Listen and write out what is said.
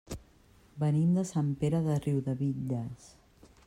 Venim de Sant Pere de Riudebitlles.